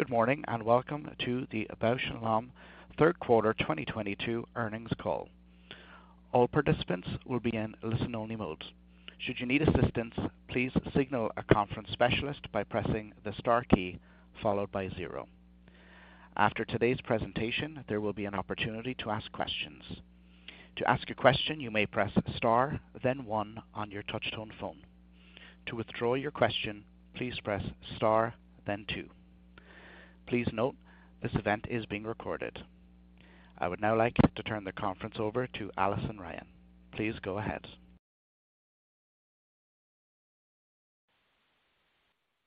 Good morning, and welcome to the Bausch + Lomb third quarter 2022 earnings call. All participants will be in listen-only mode. Should you need assistance, please signal a conference specialist by pressing the star key followed by zero. After today's presentation, there will be an opportunity to ask questions. To ask a question, you may press star then one on your touchtone phone. To withdraw your question, please press star then two. Please note, this event is being recorded. I would now like to turn the conference over to Allison Ryan. Please go ahead.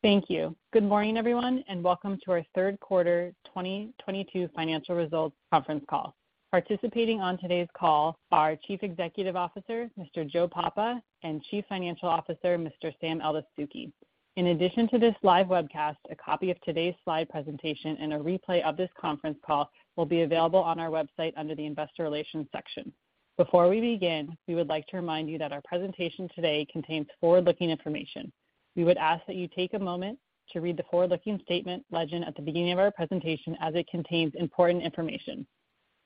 Thank you. Good morning, everyone, and welcome to our third quarter 2022 financial results conference call. Participating on today's call are Chief Executive Officer, Mr. Joe Papa, and Chief Financial Officer, Mr. Sam Eldessouky. In addition to this live webcast, a copy of today's slide presentation and a replay of this conference call will be available on our website under the Investor Relations section. Before we begin, we would like to remind you that our presentation today contains forward-looking information. We would ask that you take a moment to read the forward-looking statement legend at the beginning of our presentation as it contains important information.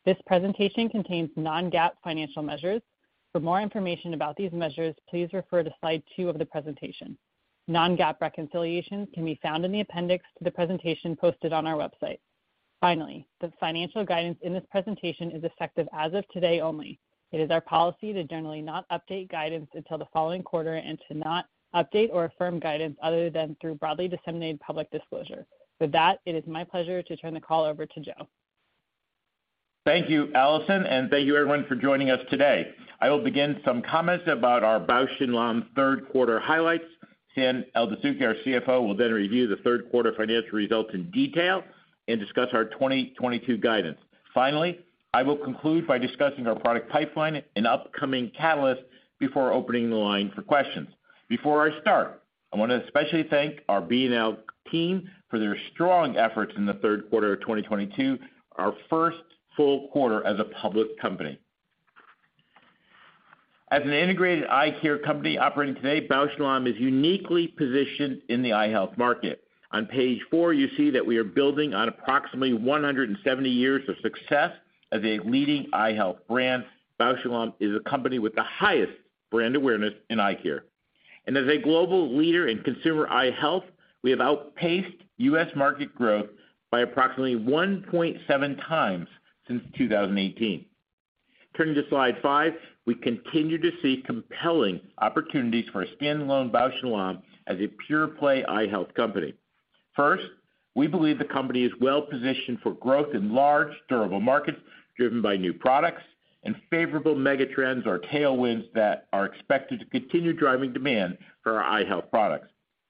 This presentation contains non-GAAP financial measures. For more information about these measures, please refer to slide two of the presentation. Non-GAAP reconciliations can be found in the appendix to the presentation posted on our website. Finally, the financial guidance in this presentation is effective as of today only. It is our policy to generally not update guidance until the following quarter and to not update or affirm guidance other than through broadly disseminated public disclosure. With that, it is my pleasure to turn the call over to Joe. Thank you, Allison, and thank you everyone for joining us today. I will begin some comments about our Bausch + Lomb third quarter highlights. Sam Eldessouky, our CFO, will then review the third quarter financial results in detail and discuss our 2022 guidance. Finally, I will conclude by discussing our product pipeline and upcoming catalyst before opening the line for questions. Before I start, I want to especially thank our B+L team for their strong efforts in the third quarter of 2022, our first full quarter as a public company. As an integrated eye care company operating today, Bausch + Lomb is uniquely positioned in the eye health market. On page four, you see that we are building on approximately 170 years of success as a leading eye health brand. Bausch + Lomb is a company with the highest brand awareness in eye care. As a global leader in consumer eye health, we have outpaced U.S. market growth by approximately 1.7x since 2018. Turning to slide five. We continue to see compelling opportunities for a standalone Bausch + Lomb as a pure play eye health company. First, we believe the company is well positioned for growth in large durable markets driven by new products and favorable mega trends or tailwinds that are expected to continue driving demand for our eye health products.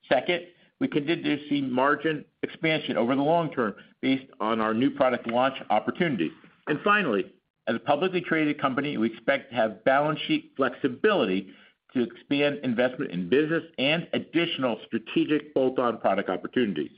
Second, we continue to see margin expansion over the long term based on our new product launch opportunities. Finally, as a publicly traded company, we expect to have balance sheet flexibility to expand investment in business and additional strategic bolt-on product opportunities.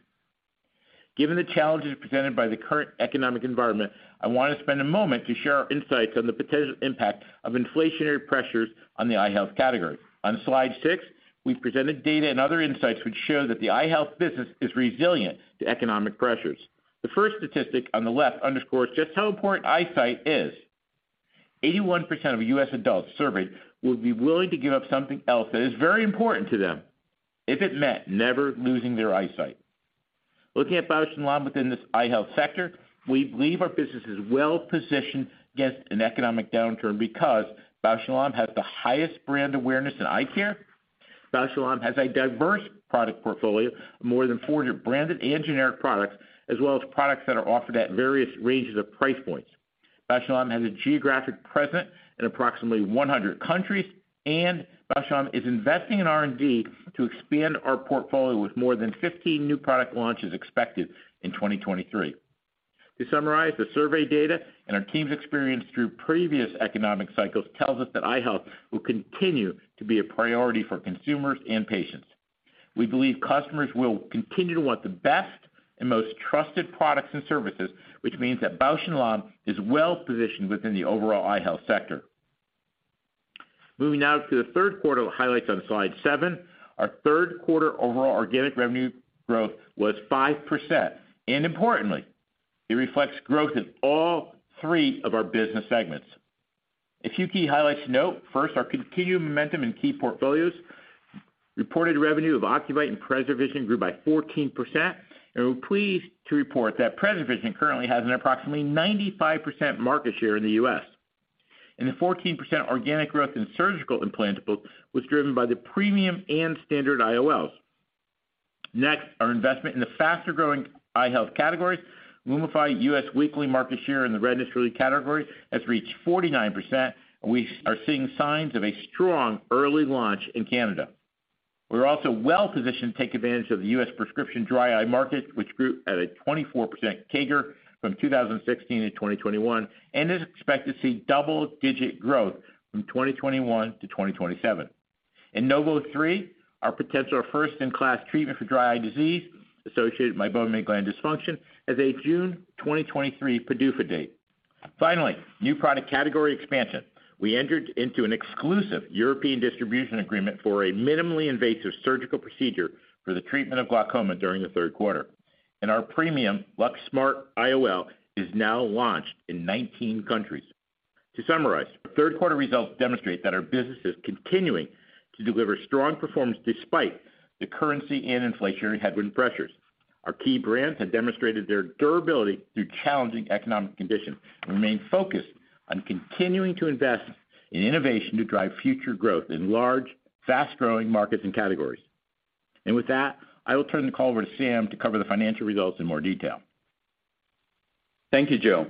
Given the challenges presented by the current economic environment, I want to spend a moment to share our insights on the potential impact of inflationary pressures on the eye health category. On slide six, we've presented data and other insights which show that the eye health business is resilient to economic pressures. The first statistic on the left underscores just how important eyesight is. 81% of U.S. adults surveyed would be willing to give up something else that is very important to them if it meant never losing their eyesight. Looking at Bausch + Lomb within this eye health sector, we believe our business is well positioned against an economic downturn because Bausch + Lomb has the highest brand awareness in eye care. Bausch + Lomb has a diverse product portfolio of more than 400 branded and generic products, as well as products that are offered at various ranges of price points. Bausch + Lomb has a geographic presence in approximately 100 countries, and Bausch + Lomb is investing in R&D to expand our portfolio with more than 15 new product launches expected in 2023. To summarize, the survey data and our team's experience through previous economic cycles tells us that eye health will continue to be a priority for consumers and patients. We believe customers will continue to want the best and most trusted products and services, which means that Bausch + Lomb is well positioned within the overall eye health sector. Moving now to the third quarter highlights on slide seven. Our third quarter overall organic revenue growth was 5%, and importantly, it reflects growth in all three of our business segments. A few key highlights to note. First, our continued momentum in key portfolios. Reported revenue of Ocuvite and PreserVision grew by 14%. We're pleased to report that PreserVision currently has an approximately 95% market share in the U.S. The 14% organic growth in surgical implantable was driven by the premium and standard IOLs. Next, our investment in the faster-growing eye health categories. LUMIFY U.S. weekly market share in the redness relief category has reached 49%, and we are seeing signs of a strong early launch in Canada. We're also well positioned to take advantage of the US prescription dry eye market, which grew at a 24% CAGR from 2016 to 2021 and is expected to see double-digit growth from 2021 to 2027. NOV03, our potential first-in-class treatment for dry eye disease associated with meibomian gland dysfunction, has a June 2023 PDUFA date. Finally, new product category expansion. We entered into an exclusive European distribution agreement for a minimally invasive surgical procedure for the treatment of glaucoma during the third quarter. Our premium LuxSmart IOL is now launched in 19 countries. To summarize, our third quarter results demonstrate that our business is continuing to deliver strong performance despite the currency and inflationary headwind pressures. Our key brands have demonstrated their durability through challenging economic conditions, and remain focused on continuing to invest in innovation to drive future growth in large, fast-growing markets and categories. With that, I will turn the call over to Sam to cover the financial results in more detail. Thank you, Joe.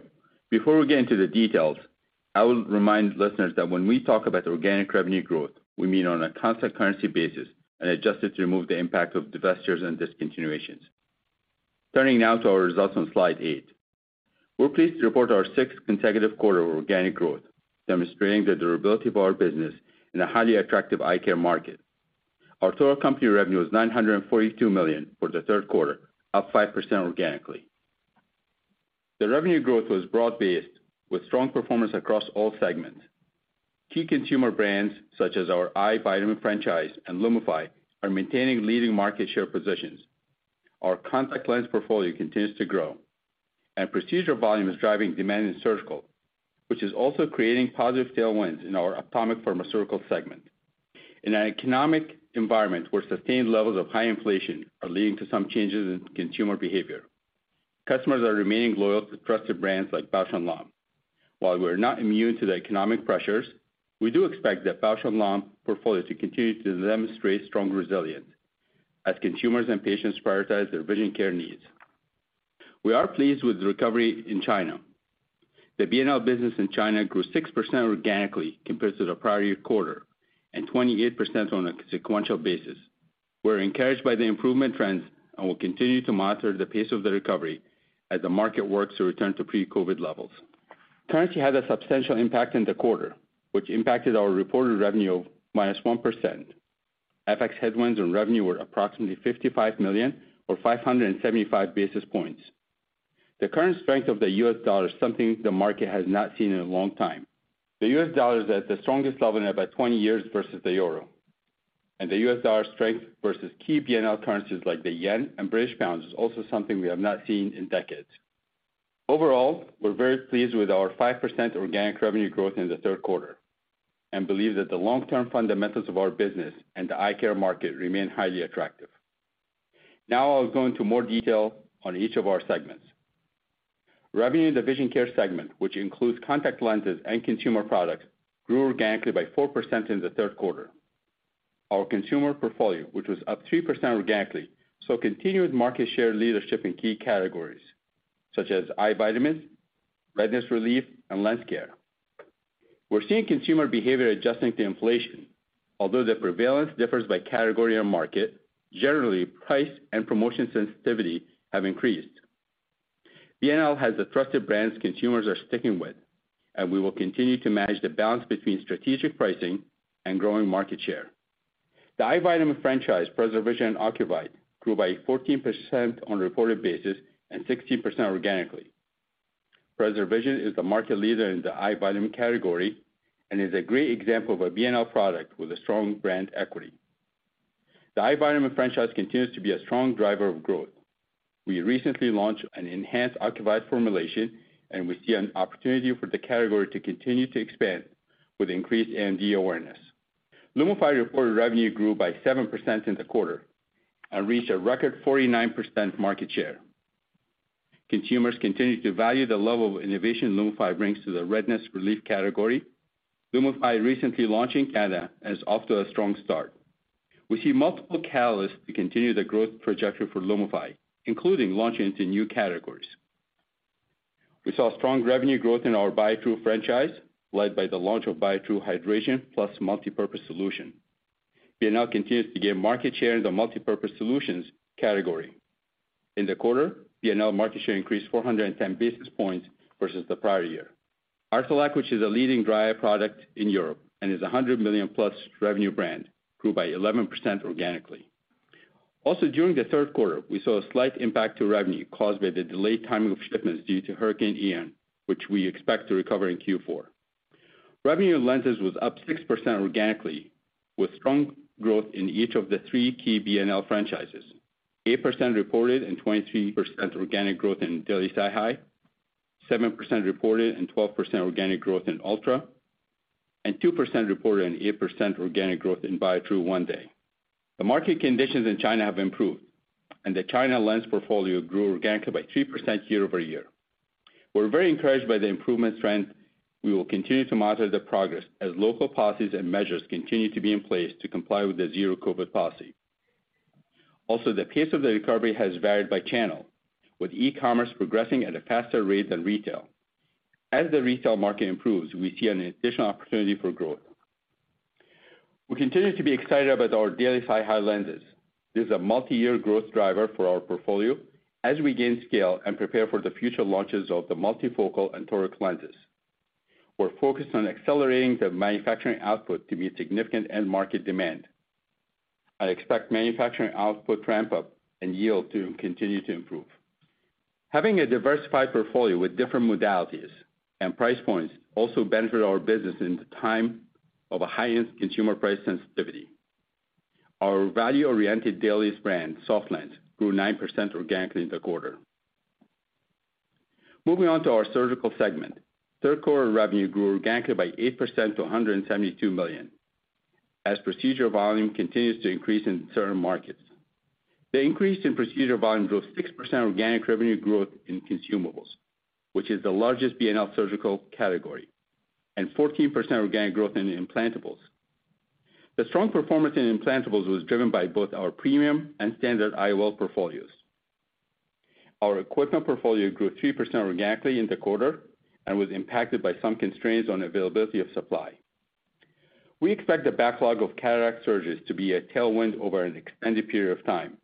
Before we get into the details, I will remind listeners that when we talk about organic revenue growth, we mean on a constant currency basis and adjusted to remove the impact of divestitures and discontinuations. Turning now to our results on slide eight. We're pleased to report our sixth consecutive quarter of organic growth, demonstrating the durability of our business in a highly attractive eye care market. Our total company revenue was $942 million for the third quarter, up 5% organically. The revenue growth was broad-based, with strong performance across all segments. Key consumer brands, such as our eye vitamin franchise and LUMIFY, are maintaining leading market share positions. Our contact lens portfolio continues to grow, and procedural volume is driving demand in surgical, which is also creating positive tailwinds in our Ophthalmic Pharmaceuticals segment. In an economic environment where sustained levels of high inflation are leading to some changes in consumer behavior, customers are remaining loyal to trusted brands like Bausch + Lomb. While we are not immune to the economic pressures, we do expect the Bausch + Lomb portfolio to continue to demonstrate strong resilience as consumers and patients prioritize their vision care needs. We are pleased with the recovery in China. The B&L business in China grew 6% organically compared to the prior year quarter, and 28% on a sequential basis. We're encouraged by the improvement trends and will continue to monitor the pace of the recovery as the market works to return to pre-COVID levels. Currency had a substantial impact in the quarter, which impacted our reported revenue of -1%. FX headwinds on revenue were approximately $55 million or 575 basis points. The current strength of the U.S. dollar is something the market has not seen in a long time. The U.S. dollar is at the strongest level in about 20 years versus the euro, and the U.S. dollar strength versus key B&L currencies like the yen and British pounds is also something we have not seen in decades. Overall, we're very pleased with our 5% organic revenue growth in the third quarter and believe that the long-term fundamentals of our business and the eye care market remain highly attractive. Now I'll go into more detail on each of our segments. Revenue in the vision care segment, which includes contact lenses and consumer products, grew organically by 4% in the third quarter. Our consumer portfolio, which was up 3% organically, saw continued market share leadership in key categories such as eye vitamins, redness relief, and lens care. We're seeing consumer behavior adjusting to inflation. Although the prevalence differs by category and market, generally, price and promotion sensitivity have increased. B&L has the trusted brands consumers are sticking with, and we will continue to manage the balance between strategic pricing and growing market share. The eye vitamin franchise, PreserVision AREDS2, grew by 14% on a reported basis and 16% organically. PreserVision is the market leader in the eye vitamin category and is a great example of a B&L product with a strong brand equity. The eye vitamin franchise continues to be a strong driver of growth. We recently launched an enhanced AREDS2 formulation, and we see an opportunity for the category to continue to expand with increased AMD awareness. LUMIFY reported revenue grew by 7% in the quarter and reached a record 49% market share. Consumers continue to value the level of innovation LUMIFY brings to the redness relief category. LUMIFY recently launched in Canada and is off to a strong start. We see multiple catalysts to continue the growth projection for LUMIFY, including launching into new categories. We saw strong revenue growth in our Biotrue franchise, led by the launch of Biotrue Hydration Plus Multi-Purpose Solution. B&L continues to gain market share in the multipurpose solutions category. In the quarter, B&L market share increased 410 basis points versus the prior year. Artelac, which is a leading dry eye product in Europe and is a $100 million+ revenue brand, grew by 11% organically. Also, during the third quarter, we saw a slight impact to revenue caused by the delayed timing of shipments due to Hurricane Ian, which we expect to recover in Q4. Revenue in lenses was up 6% organically, with strong growth in each of the three key B&L franchises. 8% reported and 23% organic growth in daily SiHy, 7% reported and 12% organic growth in ULTRA, and 2% reported and 8% organic growth in Biotrue ONEday. The market conditions in China have improved, and the China lens portfolio grew organically by 3% year-over-year. We're very encouraged by the improvement trend. We will continue to monitor the progress as local policies and measures continue to be in place to comply with the Zero-COVID policy. Also, the pace of the recovery has varied by channel, with e-commerce progressing at a faster rate than retail. As the retail market improves, we see an additional opportunity for growth. We continue to be excited about our daily SiHy lenses. This is a multi-year growth driver for our portfolio as we gain scale and prepare for the future launches of the multifocal and toric lenses. We're focused on accelerating the manufacturing output to meet significant end-market demand. I expect manufacturing output ramp up and yield to continue to improve. Having a diversified portfolio with different modalities and price points also benefit our business in the time of a high-end consumer price sensitivity. Our value-oriented dailies brand, SofLens, grew 9% organically in the quarter. Moving on to our surgical segment. Third quarter revenue grew organically by 8% to $172 million, as procedural volume continues to increase in certain markets. The increase in procedural volume drove 6% organic revenue growth in consumables, which is the largest B&L surgical category, and 14% organic growth in the implantables. The strong performance in implantables was driven by both our premium and standard IOL portfolios. Our equipment portfolio grew 3% organically in the quarter and was impacted by some constraints on availability of supply. We expect the backlog of cataract surgeries to be a tailwind over an extended period of time.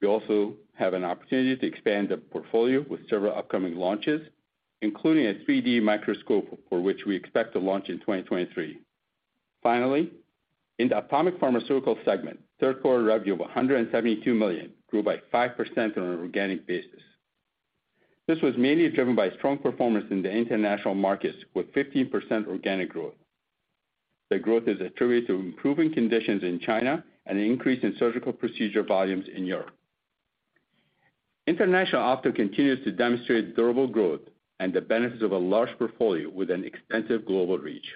We also have an opportunity to expand the portfolio with several upcoming launches, including a 3-D microscope for which we expect to launch in 2023. Finally, in the Ophthalmic Pharmaceuticals segment, third quarter revenue of $172 million grew by 5% on an organic basis. This was mainly driven by strong performance in the international markets with 15% organic growth. The growth is attributed to improving conditions in China and an increase in surgical procedure volumes in Europe. International ophtho continues to demonstrate durable growth and the benefits of a large portfolio with an extensive global reach.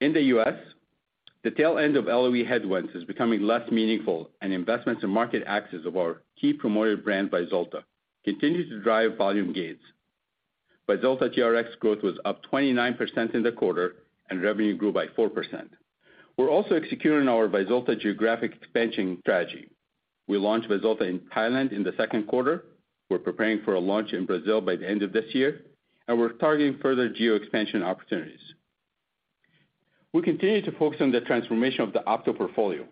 In the U.S., the tail end of LOE headwinds is becoming less meaningful, and investments in market access of our key promoted brand, VYZULTA, continues to drive volume gains. VYZULTA TRX growth was up 29% in the quarter, and revenue grew by 4%. We're also executing our VYZULTA geographic expansion strategy. We launched VYZULTA in Thailand in the second quarter. We're preparing for a launch in Brazil by the end of this year, and we're targeting further geo-expansion opportunities. We continue to focus on the transformation of the ophtho portfolio.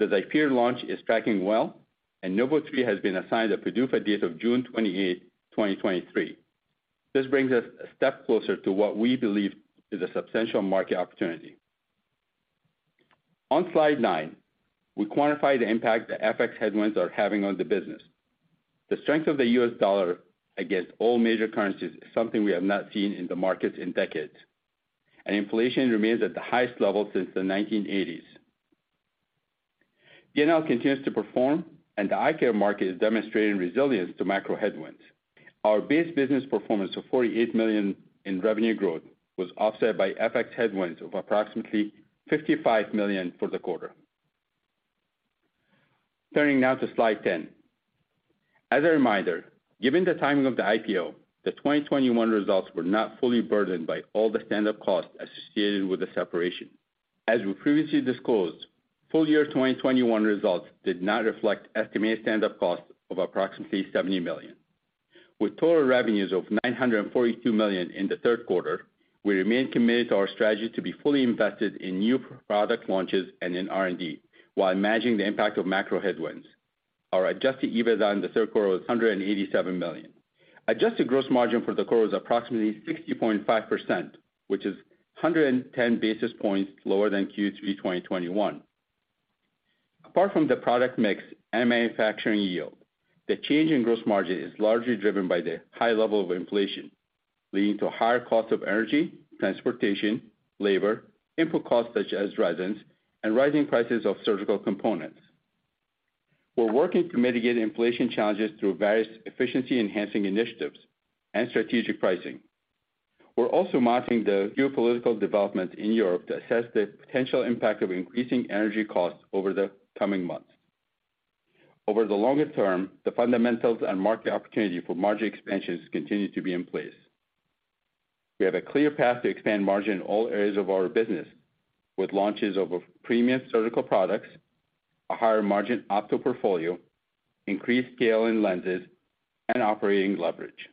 The XIPERE launch is tracking well, and NOV03 has been assigned a PDUFA date of June 28, 2023. This brings us a step closer to what we believe is a substantial market opportunity. On slide nine, we quantify the impact the FX headwinds are having on the business. The strength of the U.S. dollar against all major currencies is something we have not seen in the markets in decades, and inflation remains at the highest level since the 1980s. B&L continues to perform, and the eye care market is demonstrating resilience to macro headwinds. Our base business performance of $48 million in revenue growth was offset by FX headwinds of approximately $55 million for the quarter. Turning now to slide 10. As a reminder, given the timing of the IPO, the 2021 results were not fully burdened by all the stand-up costs associated with the separation. As we previously disclosed, full year 2021 results did not reflect estimated stand-up costs of approximately $70 million. With total revenues of $942 million in the third quarter, we remain committed to our strategy to be fully invested in new product launches and in R&D while managing the impact of macro headwinds. Our adjusted EBITDA in the third quarter was $187 million. Adjusted gross margin for the quarter was approximately 60.5%, which is 110 basis points lower than Q3 2021. Apart from the product mix and manufacturing yield, the change in gross margin is largely driven by the high level of inflation, leading to higher cost of energy, transportation, labor, input costs such as resins, and rising prices of surgical components. We're working to mitigate inflation challenges through various efficiency-enhancing initiatives and strategic pricing. We're also monitoring the geopolitical development in Europe to assess the potential impact of increasing energy costs over the coming months. Over the longer term, the fundamentals and market opportunity for margin expansions continue to be in place. We have a clear path to expand margin in all areas of our business with launches of premium surgical products, a higher margin optho portfolio, increased scale in lenses, and operating leverage.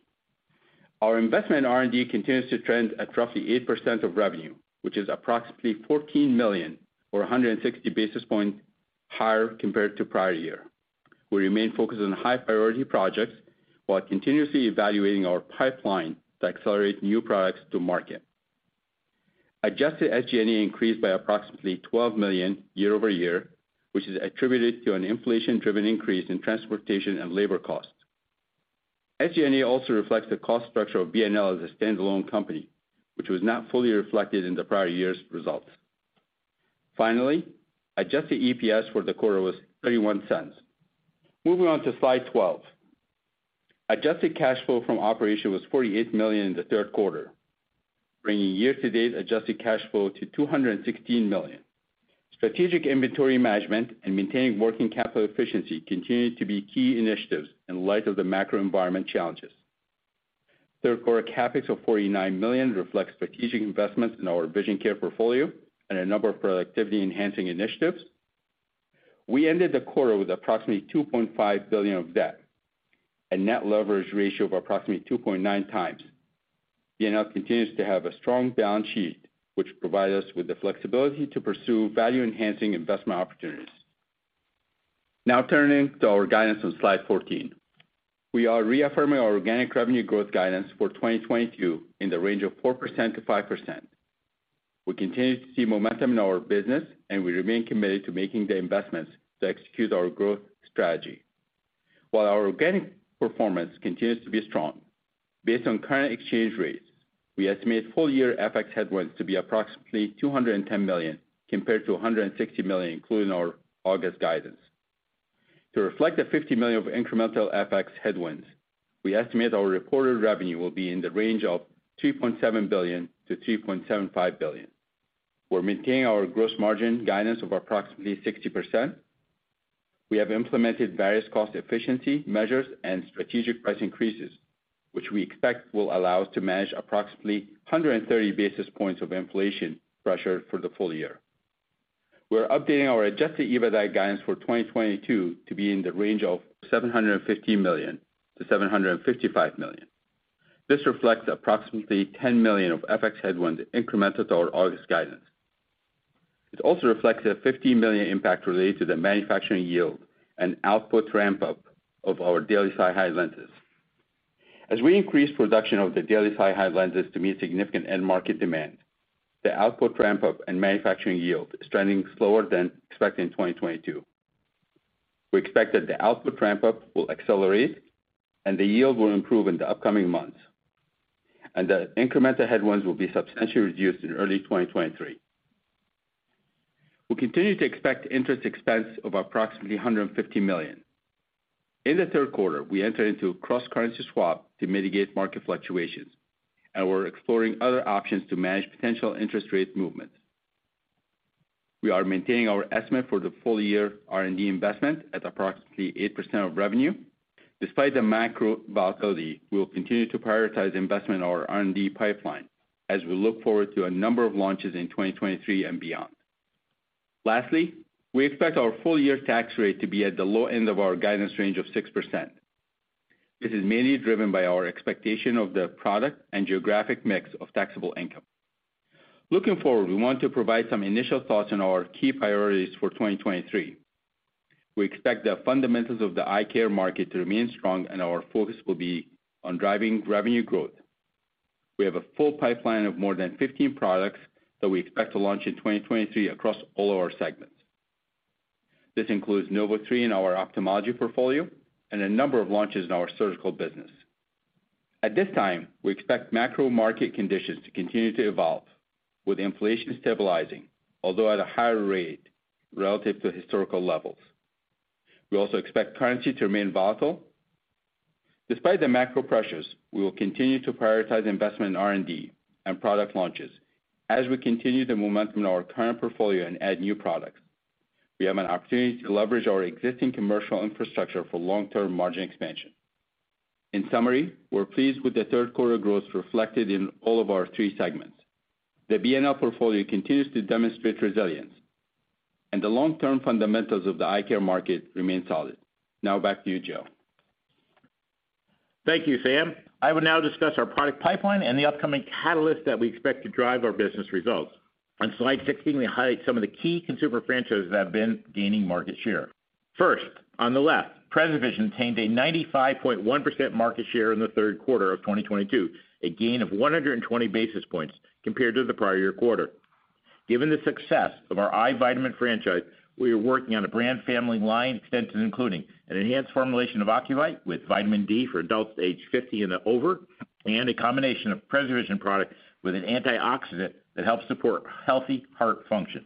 Our investment in R&D continues to trend at roughly 8% of revenue, which is approximately $14 million or 160 basis points higher compared to prior year. We remain focused on high-priority projects while continuously evaluating our pipeline to accelerate new products to market. Adjusted SG&A increased by approximately $12 million year-over-year, which is attributed to an inflation-driven increase in transportation and labor costs. SG&A also reflects the cost structure of B&L as a standalone company, which was not fully reflected in the prior year's results. Finally, adjusted EPS for the quarter was $0.31. Moving on to slide 12. Adjusted cash flow from operations was $48 million in the third quarter, bringing year-to-date adjusted cash flow to $216 million. Strategic inventory management and maintaining working capital efficiency continue to be key initiatives in light of the macro environment challenges. Third quarter CapEx of $49 million reflects strategic investments in our vision care portfolio and a number of productivity-enhancing initiatives. We ended the quarter with approximately $2.5 billion of debt and net leverage ratio of approximately 2.9x. B&L continues to have a strong balance sheet, which provides us with the flexibility to pursue value-enhancing investment opportunities. Now turning to our guidance on slide 14. We are reaffirming our organic revenue growth guidance for 2022 in the range of 4%-5%. We continue to see momentum in our business, and we remain committed to making the investments to execute our growth strategy. While our organic performance continues to be strong, based on current exchange rates, we estimate full year FX headwinds to be approximately $210 million, compared to $160 million, including our August guidance. To reflect the $50 million of incremental FX headwinds, we estimate our reported revenue will be in the range of $2.7 billion-$2.75 billion. We're maintaining our gross margin guidance of approximately 60%. We have implemented various cost efficiency measures and strategic price increases, which we expect will allow us to manage approximately 130 basis points of inflation pressure for the full year. We're updating our adjusted EBITDA guidance for 2022 to be in the range of $750 million-$755 million. This reflects approximately $10 million of FX headwinds incremental to our August guidance. It also reflects a $15 million impact related to the manufacturing yield and output ramp-up of our daily SiHy lenses. As we increase production of the daily SiHy lenses to meet significant end market demand, the output ramp-up and manufacturing yield is trending slower than expected in 2022. We expect that the output ramp-up will accelerate and the yield will improve in the upcoming months, and the incremental headwinds will be substantially reduced in early 2023. We continue to expect interest expense of approximately $150 million. In the third quarter, we entered into a cross-currency swap to mitigate market fluctuations, and we're exploring other options to manage potential interest rate movements. We are maintaining our estimate for the full year R&D investment at approximately 8% of revenue. Despite the macro volatility, we will continue to prioritize investment in our R&D pipeline as we look forward to a number of launches in 2023 and beyond. Lastly, we expect our full year tax rate to be at the low end of our guidance range of 6%. This is mainly driven by our expectation of the product and geographic mix of taxable income. Looking forward, we want to provide some initial thoughts on our key priorities for 2023. We expect the fundamentals of the eye care market to remain strong, and our focus will be on driving revenue growth. We have a full pipeline of more than 15 products that we expect to launch in 2023 across all our segments. This includes NOV03 in our ophthalmology portfolio and a number of launches in our surgical business. At this time, we expect macro market conditions to continue to evolve, with inflation stabilizing, although at a higher rate relative to historical levels. We also expect currency to remain volatile. Despite the macro pressures, we will continue to prioritize investment in R&D and product launches as we continue the momentum in our current portfolio and add new products. We have an opportunity to leverage our existing commercial infrastructure for long-term margin expansion. In summary, we're pleased with the third quarter growth reflected in all of our three segments. The B&L portfolio continues to demonstrate resilience and the long-term fundamentals of the eye care market remain solid. Now back to you, Joe. Thank you, Sam. I will now discuss our product pipeline and the upcoming catalysts that we expect to drive our business results. On slide 16, we highlight some of the key consumer franchises that have been gaining market share. First, on the left, PreserVision maintained a 95.1% market share in the third quarter of 2022, a gain of 120 basis points compared to the prior year quarter. Given the success of our eye vitamin franchise, we are working on a brand family line extension, including an enhanced formulation of Ocuvite with vitamin D for adults aged 50 and over, and a combination of PreserVision products with an antioxidant that helps support healthy heart function.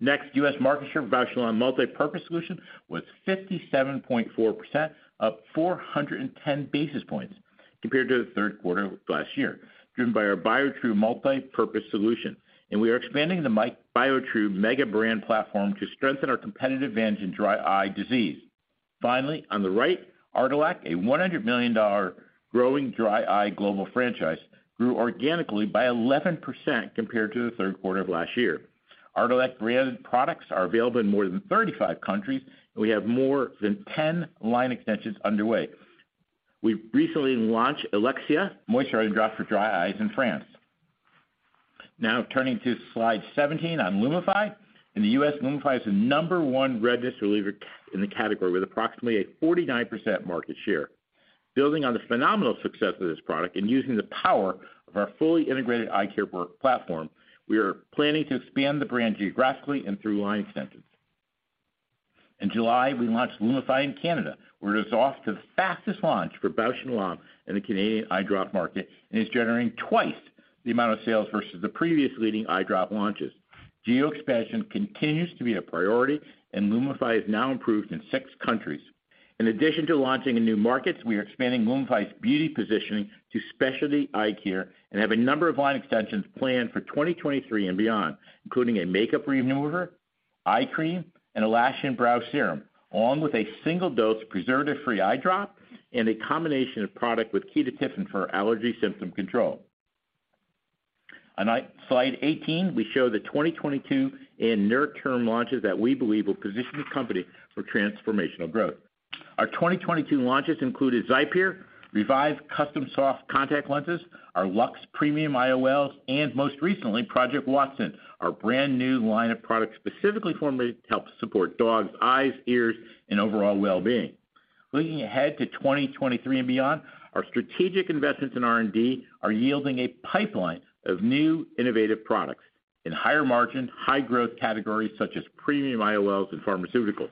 Next, U.S. market share for Bausch + Lomb multi-purpose solution was 57.4%, up 410 basis points compared to the third quarter of last year, driven by our Biotrue multi-purpose solution. We are expanding the Biotrue mega brand platform to strengthen our competitive advantage in dry eye disease. Finally, on the right, Artelac, a $100 million growing dry eye global franchise, grew organically by 11% compared to the third quarter of last year. Artelac branded products are available in more than 35 countries, and we have more than 10 line extensions underway. We recently launched Elexia moisture eye drops for dry eyes in France. Now turning to slide 17 on LUMIFY. In the U.S., LUMIFY is the number one redness reliever in the category with approximately 49% market share. Building on the phenomenal success of this product and using the power of our fully integrated eye care work platform, we are planning to expand the brand geographically and through line extensions. In July, we launched LUMIFY in Canada, where it is off to the fastest launch for Bausch + Lomb in the Canadian eye drop market and is generating twice the amount of sales versus the previous leading eye drop launches. Geo expansion continues to be a priority, and LUMIFY is now approved in six countries. In addition to launching in new markets, we are expanding LUMIFY's beauty positioning to specialty eye care and have a number of line extensions planned for 2023 and beyond, including a makeup remover, eye cream, and a lash and brow serum, along with a single-dose preservative-free eye drop and a combination of product with ketotifen for allergy symptom control. On slide 18, we show the 2022 and near-term launches that we believe will position the company for transformational growth. Our 2022 launches included XIPERE, Revive custom soft contact lenses, our LuxSmart premium IOLs, and most recently, Project Watson, our brand new line of products specifically formulated to help support dogs' eyes, ears, and overall well-being. Looking ahead to 2023 and beyond, our strategic investments in R&D are yielding a pipeline of new innovative products in higher margin, high growth categories such as premium IOLs and pharmaceuticals.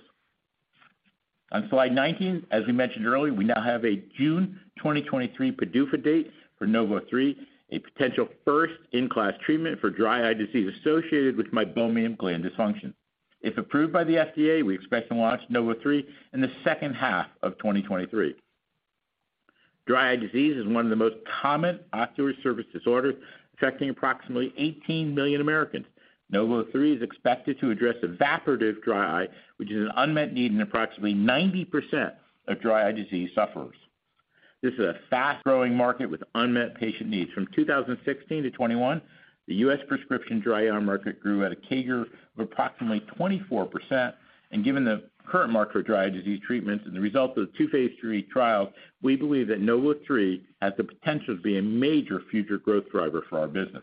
On slide 19, as we mentioned earlier, we now have a June 2023 PDUFA date for NOV03, a potential first-in-class treatment for dry eye disease associated with meibomian gland dysfunction. If approved by the FDA, we expect to launch NOV03 in the second half of 2023. Dry eye disease is one of the most common ocular surface disorders, affecting approximately 18 million Americans. NOV03 is expected to address evaporative dry eye, which is an unmet need in approximately 90% of dry eye disease sufferers. This is a fast-growing market with unmet patient needs. From 2016 to 2021, the US prescription dry eye market grew at a CAGR of approximately 24%. Given the current market for dry eye disease treatments and the results of the two phase III trials, we believe that NOV03 has the potential to be a major future growth driver for our business.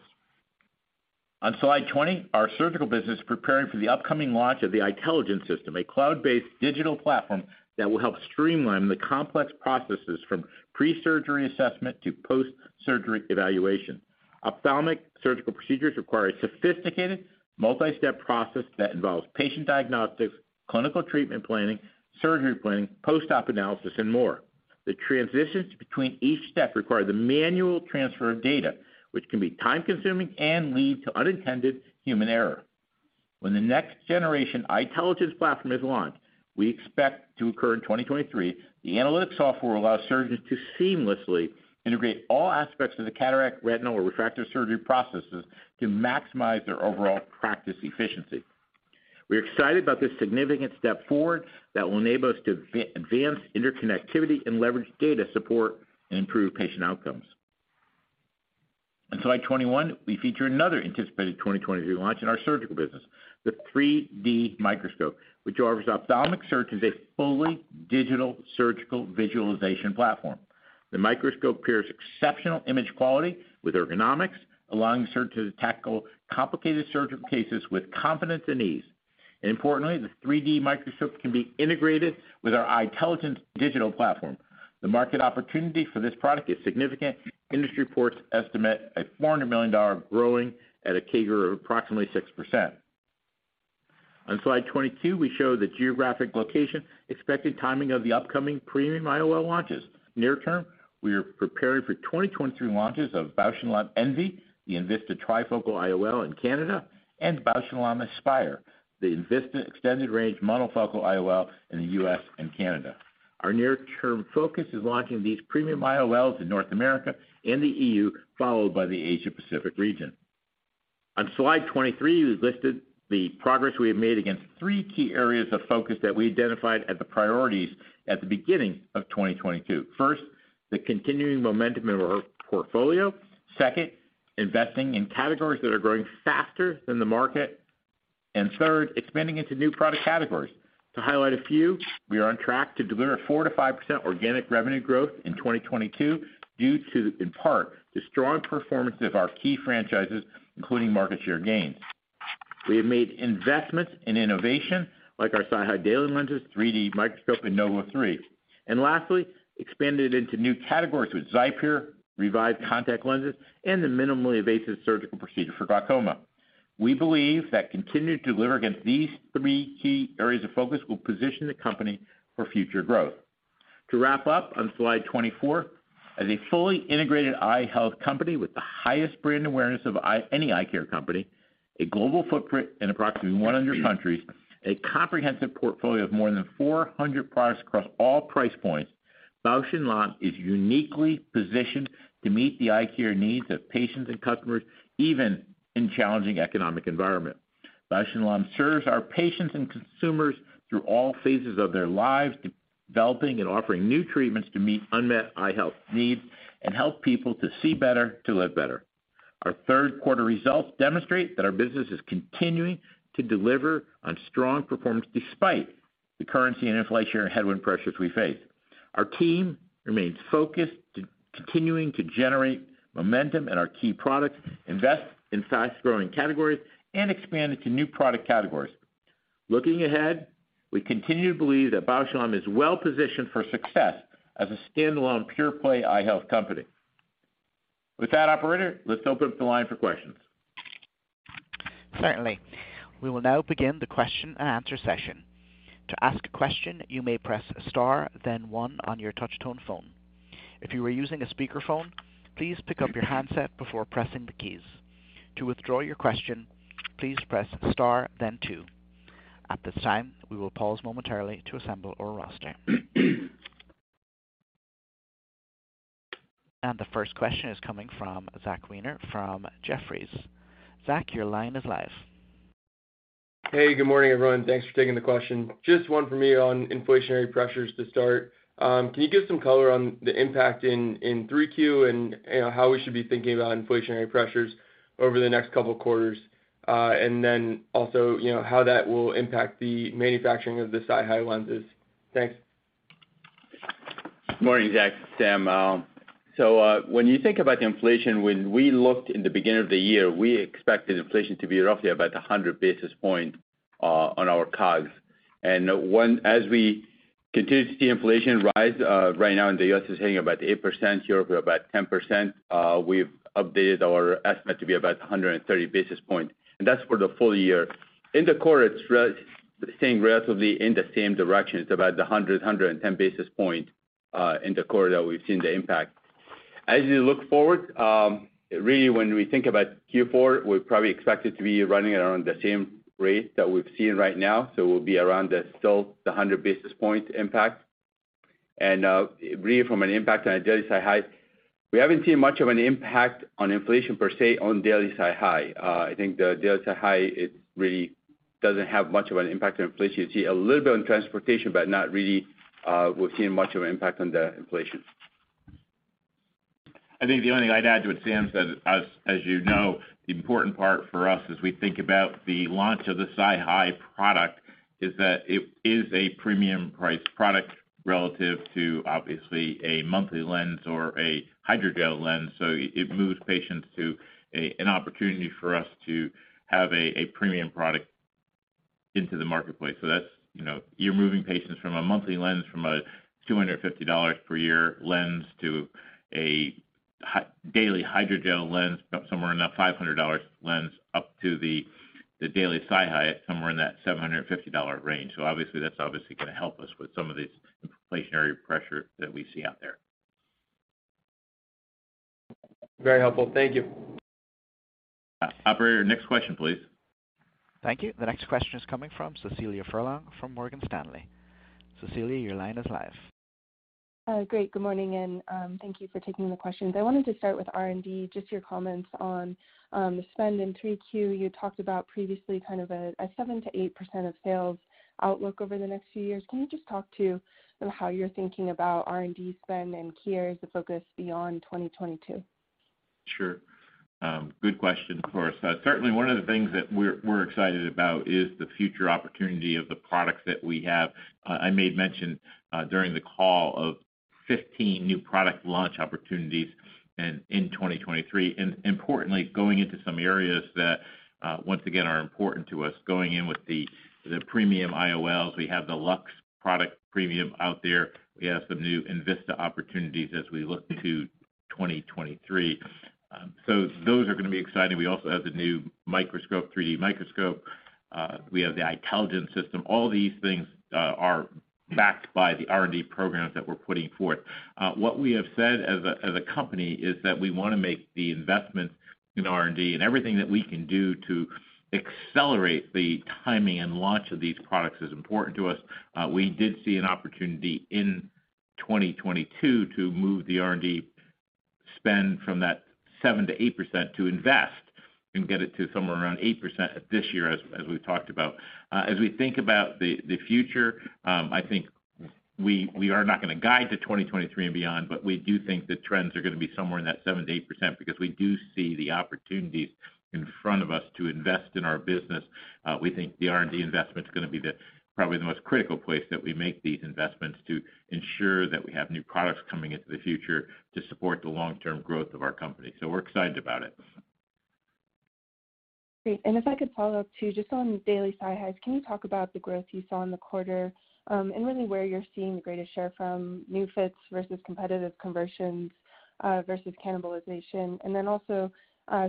On slide 20, our surgical business is preparing for the upcoming launch of the eyeTELLIGENCE system, a cloud-based digital platform that will help streamline the complex processes from pre-surgery assessment to post-surgery evaluation. Ophthalmic surgical procedures require a sophisticated multi-step process that involves patient diagnostics, clinical treatment planning, surgery planning, post-op analysis, and more. The transitions between each step require the manual transfer of data, which can be time-consuming and lead to unintended human error. When the next generation eyeTELLIGENCE platform is launched, we expect to occur in 2023, the analytics software will allow surgeons to seamlessly integrate all aspects of the cataract, retinal or refractive surgery processes to maximize their overall practice efficiency. We're excited about this significant step forward that will enable us to advance interconnectivity and leverage data support and improve patient outcomes. On slide 21, we feature another anticipated 2023 launch in our surgical business, SeeLuma, which offers ophthalmic surgeons a fully digital surgical visualization platform. The microscope pairs exceptional image quality with ergonomics, allowing surgeons to tackle complicated surgical cases with confidence and ease. Importantly, the 3D Microscope can be integrated with our eyeTELLIGENCE digital platform. The market opportunity for this product is significant. Industry reports estimate a $400 million market growing at a CAGR of approximately 6%. On slide 22, we show the geographic location expected timing of the upcoming premium IOL launches. Near term, we are preparing for 2023 launches of Bausch + Lomb enVista, the enVista trifocal IOL in Canada, and Bausch + Lomb enVista Aspire, the enVista extended range monofocal IOL in the U.S. and Canada. Our near term focus is launching these premium IOLs in North America and the E.U., followed by the Asia Pacific region. On slide 23, we've listed the progress we have made against three key areas of focus that we identified as the priorities at the beginning of 2022. First, the continuing momentum in our portfolio. Second, investing in categories that are growing faster than the market. Third, expanding into new product categories. To highlight a few, we are on track to deliver 4%-5% organic revenue growth in 2022 due to, in part, the strong performance of our key franchises, including market share gains. We have made investments in innovation like our SiHy daily lenses, 3D Microscope and NOV03. Lastly, expanded into new categories with XIPERE, Revive contact lenses, and the minimally invasive surgical procedure for glaucoma. We believe that continuing to deliver against these three key areas of focus will position the company for future growth. To wrap up on slide 24, as a fully integrated eye health company with the highest brand awareness of any eye care company, a global footprint in approximately 100 countries, a comprehensive portfolio of more than 400 products across all price points, Bausch + Lomb is uniquely positioned to meet the eye care needs of patients and customers, even in challenging economic environment. Bausch + Lomb serves our patients and consumers through all phases of their lives, developing and offering new treatments to meet unmet eye health needs and help people to see better, to live better. Our third quarter results demonstrate that our business is continuing to deliver on strong performance despite the currency and inflationary headwind pressures we face. Our team remains focused to continuing to generate momentum in our key products, invest in fast-growing categories, and expand into new product categories. Looking ahead, we continue to believe that Bausch + Lomb is well positioned for success as a standalone pure play eye health company. With that, operator, let's open up the line for questions. Certainly. We will now begin the question and answer session. To ask a question, you may press star then one on your touch tone phone. If you are using a speakerphone, please pick up your handset before pressing the keys. To withdraw your question, please press star then two. At this time, we will pause momentarily to assemble our roster. The first question is coming from Zach Weiner from Jefferies. Zach, your line is live. Hey, good morning, everyone. Thanks for taking the question. Just one for me on inflationary pressures to start. Can you give some color on the impact in 3Q and, you know, how we should be thinking about inflationary pressures over the next couple of quarters? You know, how that will impact the manufacturing of the SiHy lenses. Thanks. Morning, Zach, Sam. When you think about the inflation, when we looked in the beginning of the year, we expected inflation to be roughly about 100 basis points on our COGS. As we continue to see inflation rise, right now in the U.S., it's hitting about 8%, Europe about 10%, we've updated our estimate to be about 130 basis points, and that's for the full year. In the quarter, it's remaining relatively in the same direction. It's about 110 basis points in the quarter that we've seen the impact. As you look forward, really when we think about Q4, we probably expect it to be running around the same rate that we've seen right now. We'll be around that, still the 100 basis points impact. Really from an impact on a daily SiHy, we haven't seen much of an impact on inflation per se on daily SiHy. I think the daily SiHy, it really doesn't have much of an impact on inflation. You see a little bit on transportation, but not really, we're seeing much of an impact on the inflation. I think the only thing I'd add to what Sam said, as you know, the important part for us as we think about the launch of the SiHy product is that it is a premium priced product relative to obviously a monthly lens or a hydrogel lens. It moves patients to an opportunity for us to have a premium product into the marketplace. That's, you know, you're moving patients from a monthly lens, from a $250 per year lens to a daily hydrogel lens somewhere in that $500 lens up to the daily SiHy at somewhere in that $750 range. Obviously that's gonna help us with some of these inflationary pressure that we see out there. Very helpful. Thank you. Operator, next question, please. Thank you. The next question is coming from Cecilia Furlong from Morgan Stanley. Cecilia, your line is live. Great. Good morning, and thank you for taking the questions. I wanted to start with R&D, just your comments on the spend in 3Q. You talked about previously kind of a 7%-8% of sales outlook over the next few years. Can you just talk to how you're thinking about R&D spend and key areas of focus beyond 2022? Sure. Good question. Of course. Certainly one of the things that we're excited about is the future opportunity of the products that we have. I made mention during the call of 15 new product launch opportunities in 2023, and importantly, going into some areas that once again are important to us. Going in with the premium IOLs. We have the LuxSmart product premium out there. We have some new enVista opportunities as we look to 2023. So those are gonna be exciting. We also have the new microscope, 3D microscope. We have the eyeTELLIGENCE. All these things are backed by the R&D programs that we're putting forth. What we have said as a company is that we wanna make the investments in R&D and everything that we can do to accelerate the timing and launch of these products is important to us. We did see an opportunity in 2022 to move the R&D spend from that 7%-8% to invest and get it to somewhere around 8% this year, as we've talked about. As we think about the future, I think we are not gonna guide to 2023 and beyond, but we do think the trends are gonna be somewhere in that 7%-8% because we do see the opportunities in front of us to invest in our business. We think the R&D investment is gonna be probably the most critical place that we make these investments to ensure that we have new products coming into the future to support the long-term growth of our company. We're excited about it. Great. If I could follow-up too, just on daily SiHys, can you talk about the growth you saw in the quarter, and really where you're seeing the greatest share from new fits versus competitive conversions, versus cannibalization? Then also,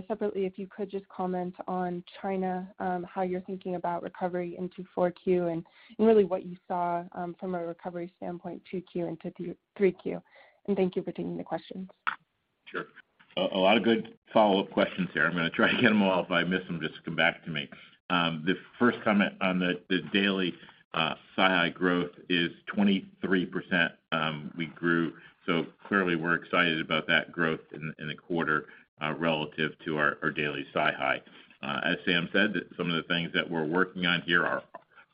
separately, if you could just comment on China, how you're thinking about recovery into 4Q and really what you saw, from a recovery standpoint, 2Q into 3Q. Thank you for taking the questions. Sure. A lot of good follow-up questions there. I'm gonna try to get them all. If I miss them, just come back to me. The first comment on the daily SiHy growth is 23%, we grew. Clearly we're excited about that growth in a quarter relative to our daily SiHy. As Sam said, some of the things that we're working on here are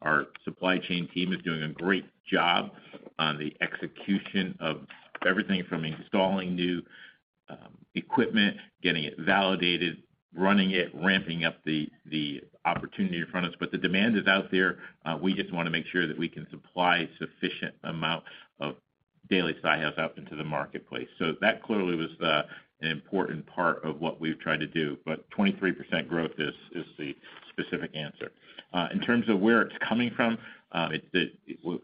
our supply chain team is doing a great job on the execution of everything from installing new equipment, getting it validated, running it, ramping up the opportunity in front of us. But the demand is out there. We just wanna make sure that we can supply sufficient amount of daily SiHy out into the marketplace. That clearly was an important part of what we've tried to do. 23% growth is the specific answer. In terms of where it's coming from,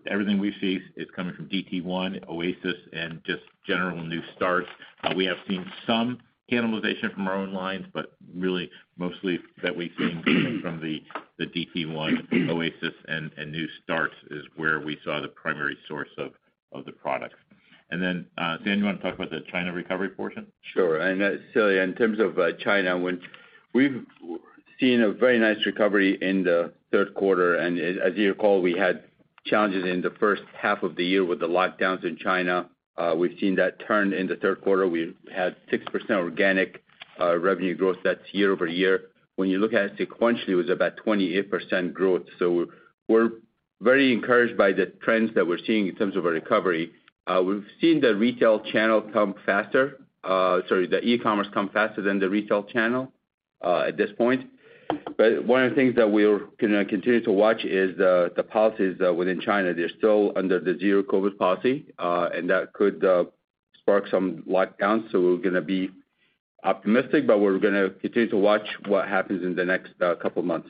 everything we see is coming from DT1, OASYS, and just general new starts. We have seen some cannibalization from our own lines, but really mostly that we've seen coming from the DT1, OASYS and new starts is where we saw the primary source of the products. Sam, you wanna talk about the China recovery portion? Sure. Cecilia, in terms of China, when we've seen a very nice recovery in the third quarter, and as you recall, we had challenges in the first half of the year with the lockdowns in China. We've seen that turn in the third quarter. We had 6% organic revenue growth. That's year over year. When you look at it sequentially, it was about 28% growth. We're very encouraged by the trends that we're seeing in terms of our recovery. We've seen the e-commerce come faster than the retail channel at this point. But one of the things that we're gonna continue to watch is the policies within China. They're still under the zero-COVID policy, and that could spark some lockdowns. We're gonna be optimistic, but we're gonna continue to watch what happens in the next couple of months.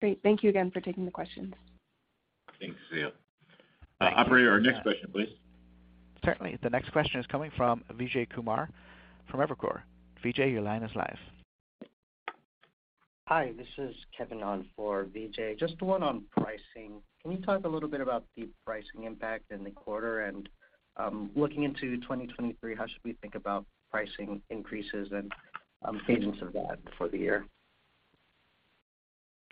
Great. Thank you again for taking the questions. Thanks, Cecilia. Operator, our next question, please. Certainly. The next question is coming from Vijay Kumar from Evercore. Vijay, your line is live. Hi, this is Kevin on for Vijay Kumar. Just one on pricing. Can you talk a little bit about the pricing impact in the quarter? Looking into 2023, how should we think about pricing increases and cadence of that for the year?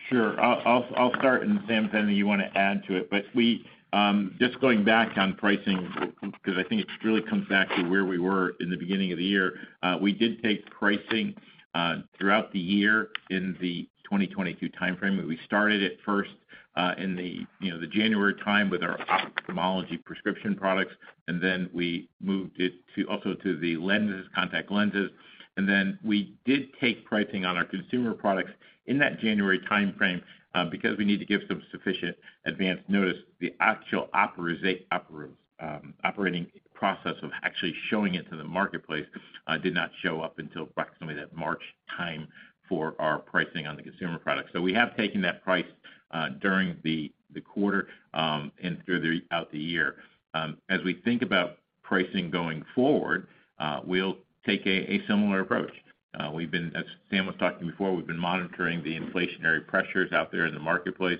Sure. I'll start, and Sam, tell me you wanna add to it. We just going back on pricing, because I think it really comes back to where we were in the beginning of the year. We did take pricing throughout the year in the 2022 timeframe. We started it first in the January time with our ophthalmology prescription products, and then we moved it also to the lenses, contact lenses. We did take pricing on our consumer products in that January timeframe, because we need to give some sufficient advance notice. The actual operating process of actually showing it to the marketplace did not show up until approximately that March time for our pricing on the consumer products. We have taken that price during the quarter and throughout the year. As we think about pricing going forward, we'll take a similar approach. As Sam was talking before, we've been monitoring the inflationary pressures out there in the marketplace.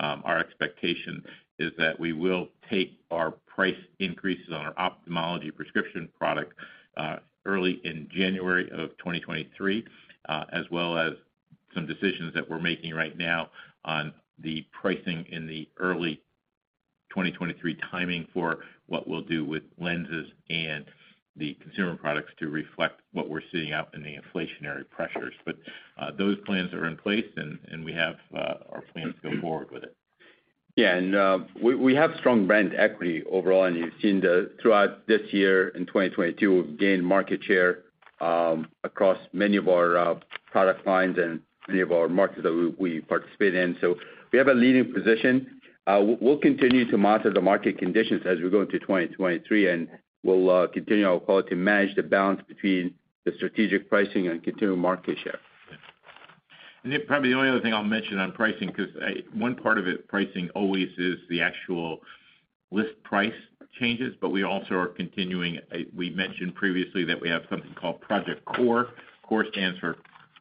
Our expectation is that we will take our price increases on our ophthalmic prescription product early in January of 2023, as well as some decisions that we're making right now on the pricing in the early 2023 timing for what we'll do with lenses and the consumer products to reflect what we're seeing out in the inflationary pressures. Those plans are in place and we have our plans to go forward with it. Yeah. We have strong brand equity overall, and you've seen throughout this year, in 2022, we've gained market share across many of our product lines and many of our markets that we participate in. We have a leading position. We'll continue to monitor the market conditions as we go into 2023, and we'll continue to manage the balance between the strategic pricing and continuing market share. Then probably the only other thing I'll mention on pricing, because one part of it, pricing always is the actual list price changes, but we also are continuing. We mentioned previously that we have something called Project CORE. CORE stands for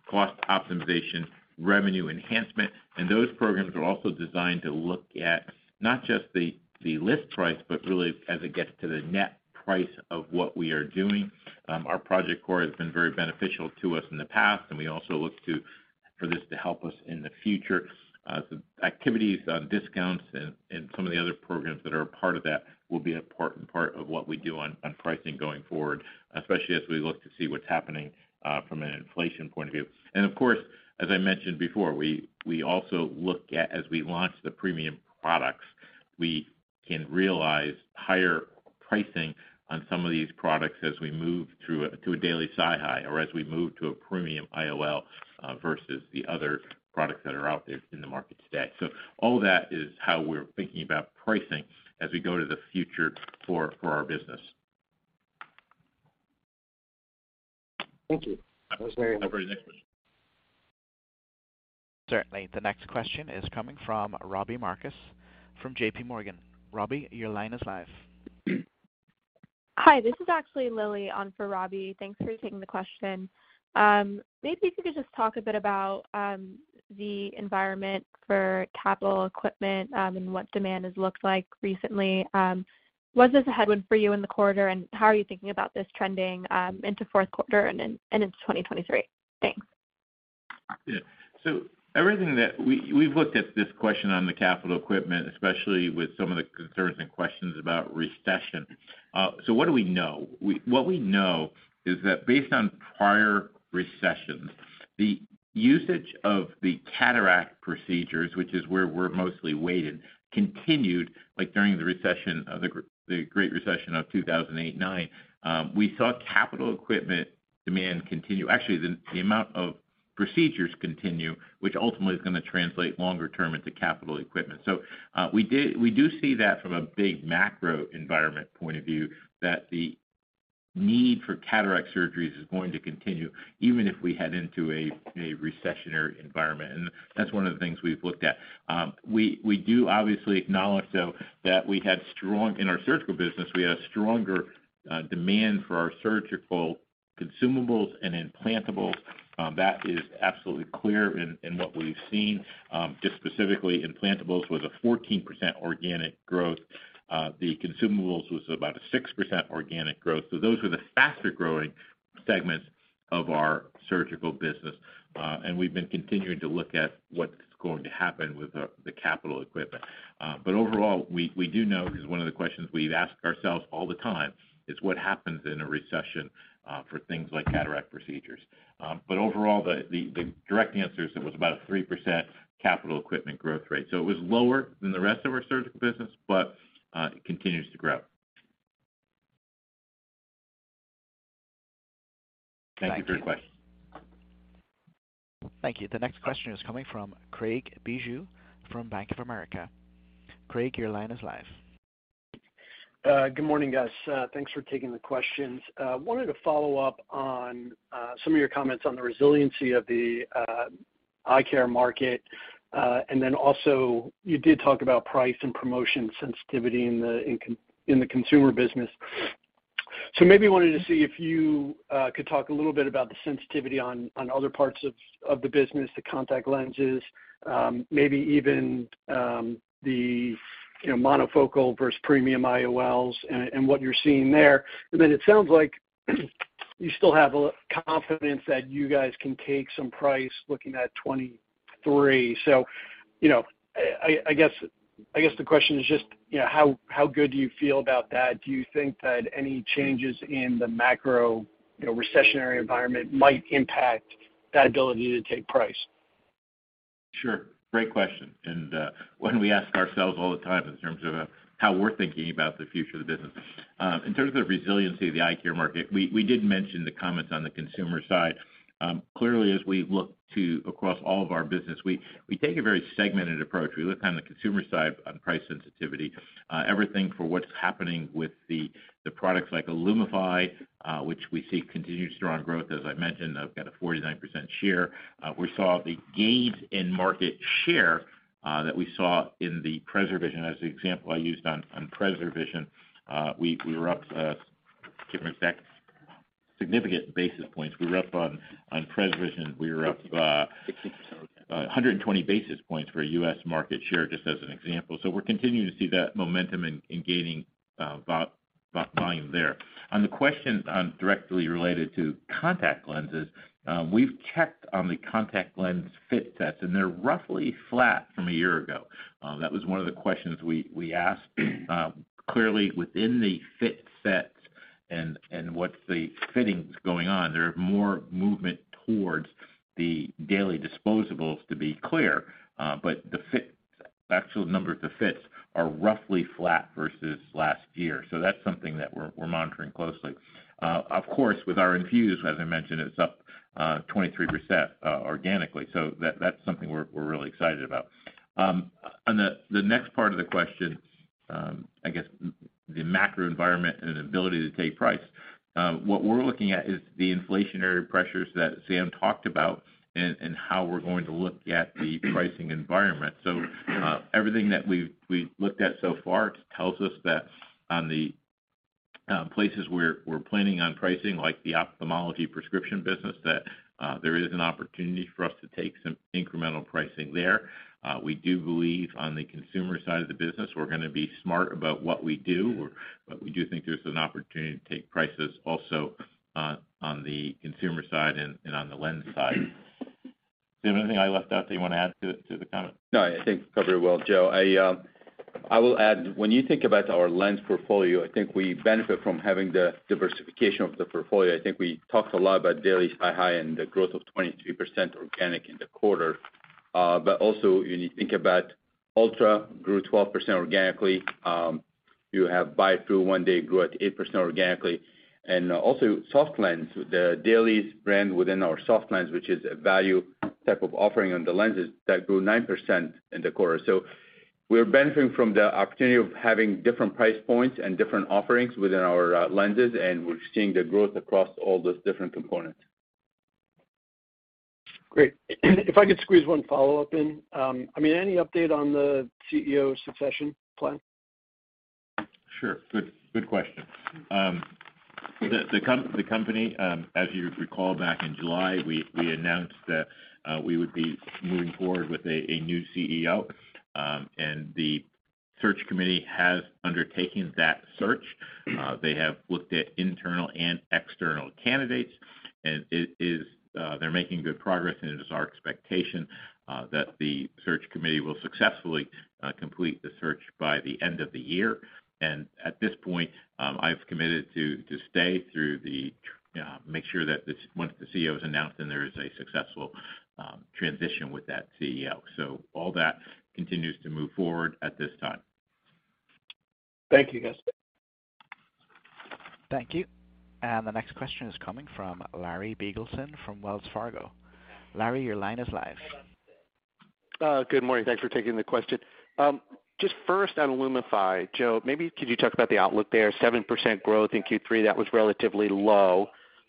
Cost Optimization Revenue Enhancement, and those programs are also designed to look at not just the list price, but really as it gets to the net price of what we are doing. Our Project CORE has been very beneficial to us in the past, and we also look to for this to help us in the future. Some activities on discounts and some of the other programs that are a part of that will be an important part of what we do on pricing going forward, especially as we look to see what's happening from an inflation point of view. Of course, as I mentioned before, we also look at as we launch the premium products, we can realize higher pricing on some of these products as we move to a daily SiHy or as we move to a premium IOL versus the other products that are out there in the market today. All that is how we're thinking about pricing as we go to the future for our business. Thank you. That was very helpful. Operator, next question. Certainly. The next question is coming from Robbie Marcus from JP Morgan. Robbie, your line is live. Hi, this is actually Lily on for Robbie. Thanks for taking the question. Maybe if you could just talk a bit about the environment for capital equipment and what demand has looked like recently. Was this a headwind for you in the quarter, and how are you thinking about this trending into fourth quarter and into 2023? Thanks. Everything that we've looked at this question on the capital equipment, especially with some of the concerns and questions about recession. What do we know? What we know is that based on prior recessions, the usage of the cataract procedures, which is where we're mostly weighted, continued, like during the recession of the Great Recession of 2008-2009, we saw capital equipment demand continue. Actually, the amount of procedures continue, which ultimately is gonna translate longer term into capital equipment. We do see that from a big macro environment point of view, that the need for cataract surgeries is going to continue even if we head into a recessionary environment, and that's one of the things we've looked at. We do obviously acknowledge, though, that in our surgical business we had a stronger demand for our surgical consumables and implantables. That is absolutely clear in what we've seen. Just specifically, implantables was a 14% organic growth. The consumables was about a 6% organic growth. Those were the faster-growing segments of our surgical business, and we've been continuing to look at what's going to happen with the capital equipment. Overall, we do know, because one of the questions we've asked ourselves all the time is what happens in a recession for things like cataract procedures. Overall, the direct answer is it was about a 3% capital equipment growth rate. It was lower than the rest of our surgical business, but it continues to grow. Thank you for your question. Thank you. The next question is coming from Craig Bijou from Bank of America. Craig, your line is live. Good morning, guys. Thanks for taking the questions. Wanted to follow up on some of your comments on the resiliency of the eye care market. You did talk about price and promotion sensitivity in the consumer business. Maybe wanted to see if you could talk a little bit about the sensitivity on other parts of the business, the contact lenses, maybe even the you know, monofocal versus premium IOLs and what you're seeing there. It sounds like you still have a confidence that you guys can take some price looking at 2023. You know, I guess the question is just you know, how good do you feel about that? Do you think that any changes in the macro, you know, recessionary environment might impact that ability to take price? Sure. Great question, and, one we ask ourselves all the time in terms of how we're thinking about the future of the business. In terms of the resiliency of the eye care market, we did mention the comments on the consumer side. Clearly, as we look to across all of our business, we take a very segmented approach. We look on the consumer side on price sensitivity, everything for what's happening with the products like LUMIFY, which we see continued strong growth, as I mentioned, I've got a 49% share. We saw the gains in market share that we saw in the PreserVision. As the example I used on PreserVision, we were up significant basis points. We were up on PreserVision a hundred and twenty basis points for a U.S. market share, just as an example. We're continuing to see that momentum in gaining volume there. On the question directly related to contact lenses, we've checked on the contact lens fit sets, and they're roughly flat from a year ago. That was one of the questions we asked. Clearly within the fit sets and what's the fittings going on, there is more movement towards the daily disposables to be clear. The actual number of the fits are roughly flat versus last year. That's something that we're monitoring closely. Of course, with our INFUSE, as I mentioned, it's up 23% organically. That's something we're really excited about. On the next part of the question, I guess the macro environment and ability to take price. What we're looking at is the inflationary pressures that Sam talked about and how we're going to look at the pricing environment. Everything that we've looked at so far tells us that on the places where we're planning on pricing, like the ophthalmology prescription business, there is an opportunity for us to take some incremental pricing there. We do believe on the consumer side of the business, we're gonna be smart about what we do. But we do think there's an opportunity to take prices also on the consumer side and on the lens side. Is there anything I left out that you want to add to the comment? No, I think you covered it well, Joe. I will add, when you think about our lens portfolio, I think we benefit from having the diversification of the portfolio. I think we talked a lot about Dailies AquaComfort Plus and the growth of 22% organic in the quarter. But also when you think about ULTRA grew 12% organically. You have Biotrue ONEday grew at 8% organically. And also soft lens, the Dailies brand within our soft lens, which is a value type of offering on the lenses that grew 9% in the quarter. We're benefiting from the opportunity of having different price points and different offerings within our lenses, and we're seeing the growth across all those different components. Great. If I could squeeze one follow-up in. I mean, any update on the CEO succession plan? Sure. Good question. The company, as you recall back in July, we announced that we would be moving forward with a new CEO, and the search committee has undertaken that search. They have looked at internal and external candidates, and they're making good progress, and it is our expectation that the search committee will successfully complete the search by the end of the year. At this point, I've committed to stay to make sure that once the CEO is announced, then there is a successful transition with that CEO. All that continues to move forward at this time. Thank you, guys. Thank you. The next question is coming from Larry Biegelsen from Wells Fargo. Larry, your line is live. Good morning. Thanks for taking the question. Just first on LUMIFY, Joe, maybe could you talk about the outlook there? 7% growth in Q3, that was relatively low.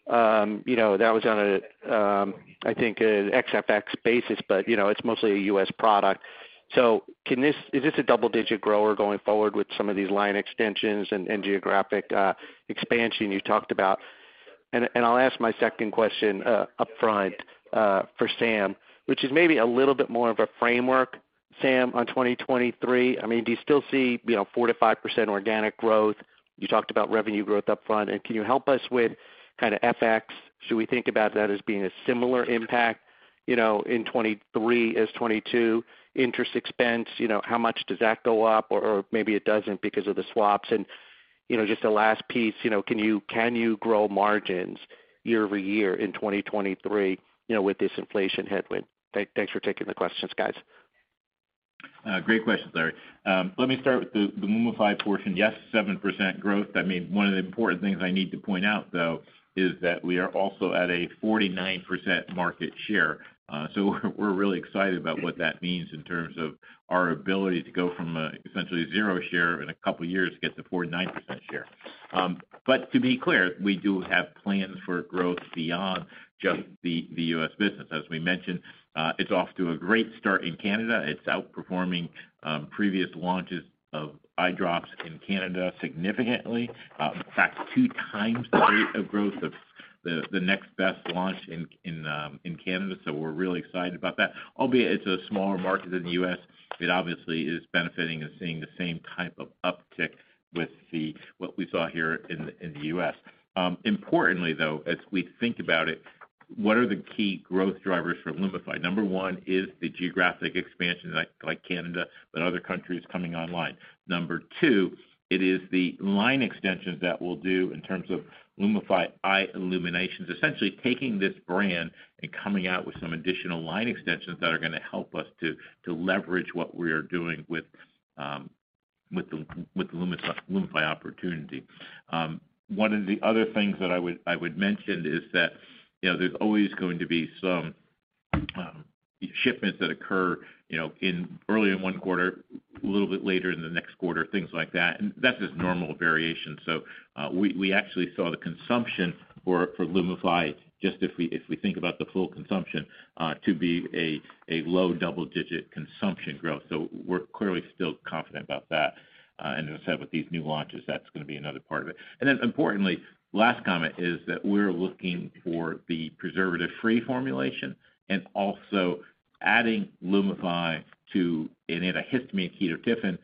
You know, that was on a, I think an ex-FX basis, but, you know, it's mostly a U.S. product. So is this a double-digit grower going forward with some of these line extensions and geographic expansion you talked about? And I'll ask my second question upfront for Sam, which is maybe a little bit more of a framework, Sam, on 2023. I mean, do you still see, you know, 4%-5% organic growth? You talked about revenue growth upfront, and can you help us with kinda FX? Should we think about that as being a similar impact, you know, in 2023 as 2022? Interest expense, you know, how much does that go up? Or maybe it doesn't because of the swaps. You know, just the last piece, you know, can you grow margins year-over-year in 2023, you know, with this inflation headwind? Thanks for taking the questions, guys. Great question, Larry. Let me start with the LUMIFY portion. Yes, 7% growth. I mean, one of the important things I need to point out, though, is that we are also at a 49% market share. So we're really excited about what that means in terms of our ability to go from essentially zero share in a couple of years to get to 49% share. To be clear, we do have plans for growth beyond just the U.S. business. As we mentioned, it's off to a great start in Canada. It's outperforming previous launches of eye drops in Canada significantly. In fact, 2x the rate of growth of the next best launch in Canada. We're really excited about that. Albeit it's a smaller market than the U.S., it obviously is benefiting and seeing the same type of uptick with what we saw here in the U.S. Importantly, though, as we think about it, what are the key growth drivers for LUMIFY? Number one is the geographic expansion, like Canada and other countries coming online. Number two, it is the line extensions that we'll do in terms of LUMIFY EYE ILLUMINATIONS. Essentially taking this brand and coming out with some additional line extensions that are gonna help us to leverage what we are doing with the LUMIFY opportunity. One of the other things that I would mention is that, you know, there's always going to be some shipments that occur, you know, in early in one quarter, a little bit later in the next quarter, things like that, and that's just normal variation. We actually saw the consumption for LUMIFY, just if we think about the full consumption, to be a low double-digit consumption growth. We're clearly still confident about that. As I said, with these new launches, that's gonna be another part of it. Importantly, last comment is that we're looking for the preservative-free formulation and also adding LUMIFY to an antihistamine ketotifen,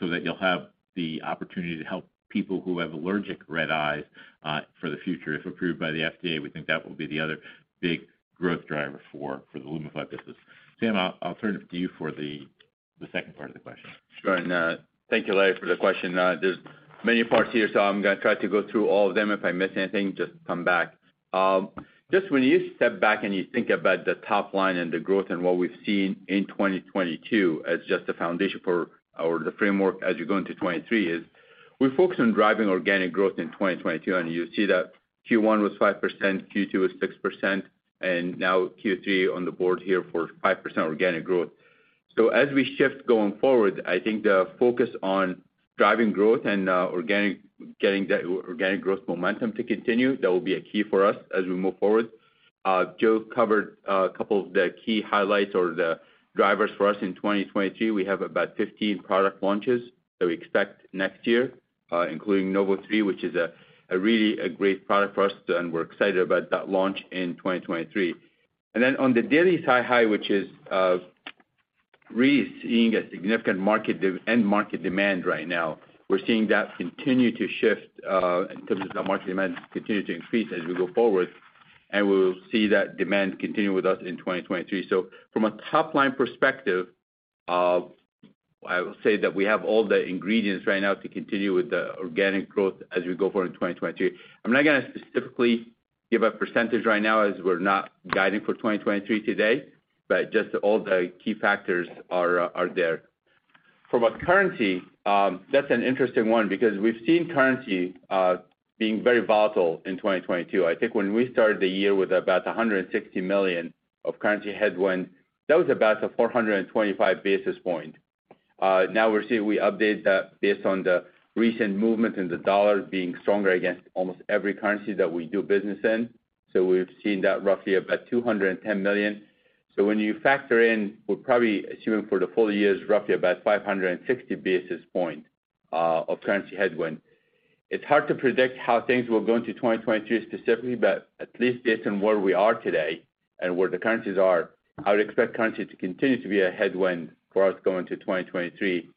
so that you'll have the opportunity to help people who have allergic red eyes, for the future. If approved by the FDA, we think that will be the other big growth driver for the LUMIFY business. Sam, I'll turn it to you for the second part of the question. Sure. Thank you, Larry, for the question. There's many parts here, so I'm gonna try to go through all of them. If I miss anything, just come back. Just when you step back and you think about the top line and the growth and what we've seen in 2022 as just a foundation for the framework as you go into 2023 is we focused on driving organic growth in 2022, and you see that Q1 was 5%, Q2 was 6%, and now Q3 on the board here for 5% organic growth. As we shift going forward, I think the focus on driving growth and getting the organic growth momentum to continue, that will be a key for us as we move forward. Joe covered a couple of the key highlights or the drivers for us in 2022. We have about 15 product launches that we expect next year, including NOV03, which is a really a great product for us, and we're excited about that launch in 2023. Then on the daily SiHy, which is really seeing a significant market demand right now. We're seeing that continue to shift in terms of the market demand continue to increase as we go forward. We will see that demand continue with us in 2023. From a top-line perspective, I will say that we have all the ingredients right now to continue with the organic growth as we go forward in 2023. I'm not gonna specifically give a percentage right now as we're not guiding for 2023 today, but just all the key factors are there. From a currency, that's an interesting one because we've seen currency being very volatile in 2022. I think when we started the year with about $160 million of currency headwind, that was about a 425 basis point. Now we're seeing we update that based on the recent movement in the dollar being stronger against almost every currency that we do business in. So we've seen that roughly about $210 million. So when you factor in, we're probably assuming for the full year is roughly about 560 basis points of currency headwind. It's hard to predict how things will go into 2023 specifically, but at least based on where we are today and where the currencies are, I would expect currency to continue to be a headwind for us going into 2023,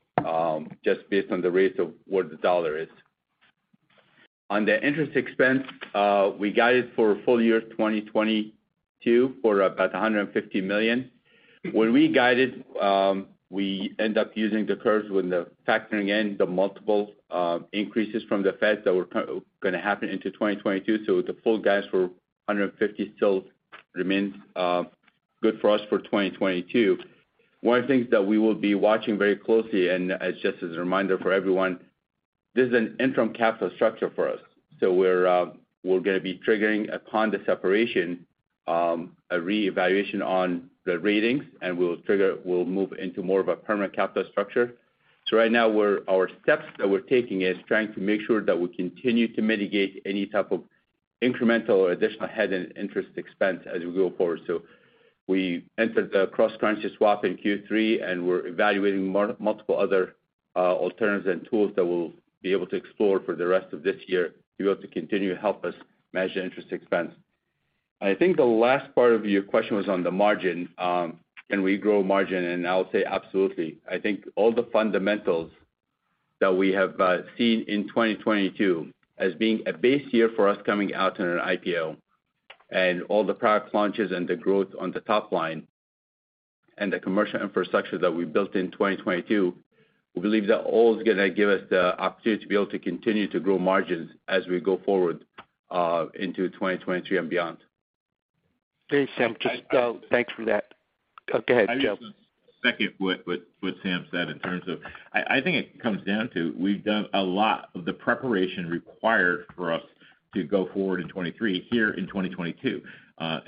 just based on the rates of where the dollar is. On the interest expense, we guided for full year 2022 for about $150 million. When we guided, we end up using the curves factoring in the multiple increases from the Fed that were gonna happen into 2022. The full guides for $150 million still remains good for us for 2022. One of the things that we will be watching very closely, and just as a reminder for everyone, this is an interim capital structure for us. We're gonna be triggering upon the separation a reevaluation on the ratings, and we'll move into more of a permanent capital structure. Right now, our steps that we're taking is trying to make sure that we continue to mitigate any type of incremental or additional headwind in interest expense as we go forward. We entered the cross-currency swap in Q3, and we're evaluating multiple other alternatives and tools that we'll be able to explore for the rest of this year to be able to continue to help us manage the interest expense. I think the last part of your question was on the margin. Can we grow margin? I'll say absolutely. I think all the fundamentals that we have seen in 2022 as being a base year for us coming out in an IPO and all the product launches and the growth on the top line and the commercial infrastructure that we built in 2022, we believe that all is gonna give us the opportunity to be able to continue to grow margins as we go forward into 2023 and beyond. Great, Sam Eldessouky. Thanks for that. Go ahead, Joe Papa. I just second what Sam said in terms of I think it comes down to we've done a lot of the preparation required for us to go forward in 2023 here in 2022.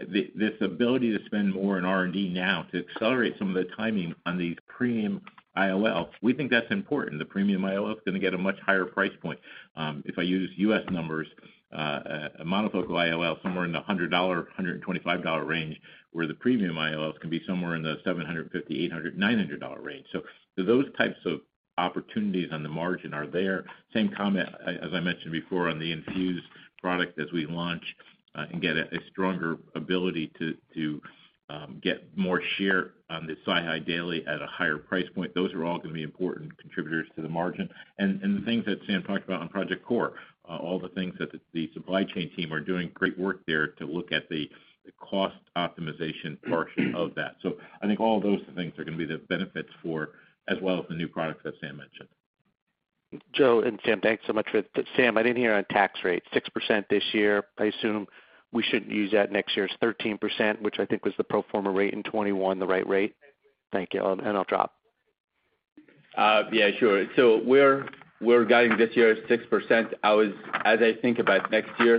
This ability to spend more in R&D now to accelerate some of the timing on these premium IOL, we think that's important. The premium IOL is gonna get a much higher price point. If I use U.S. numbers, a monofocal IOL somewhere in the $100-$125 range, where the premium IOLs can be somewhere in the $750-$900 range. Those types of opportunities on the margin are there. Same comment, as I mentioned before, on the INFUSE product as we launch, and get a stronger ability to get more share on the SiHy daily at a higher price point. Those are all gonna be important contributors to the margin. The things that Sam talked about on Project CORE, all the things that the supply chain team are doing great work there to look at the cost optimization portion of that. I think all those things are gonna be the benefits for as well as the new products that Sam mentioned. Joe and Sam, thanks so much for that. Sam, I didn't hear on tax rates. 6% this year. I assume we shouldn't use that. Next year is 13%, which I think was the pro forma rate in 2021, the right rate? Thank you. I'll drop. Yeah, sure. We're guiding this year at 6%. As I think about next year,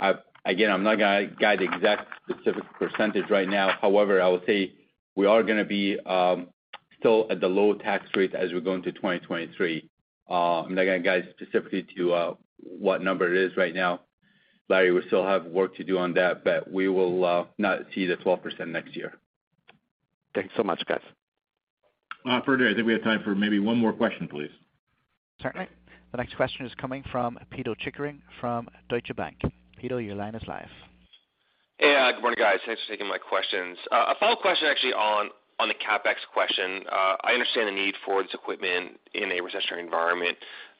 again, I'm not gonna guide the exact specific percentage right now. However, I will say we are gonna be still at the low tax rates as we go into 2023. I'm not gonna guide specifically to what number it is right now, Larry. We still have work to do on that, but we will not see the 12% next year. Thanks so much, guys. Operator, I think we have time for maybe one more question, please. Certainly. The next question is coming from Pito Chickering from Deutsche Bank. Pito, your line is live. Hey. Good morning, guys. Thanks for taking my questions. A follow-up question actually on the CapEx question. I understand the need for this equipment in a recessionary environment,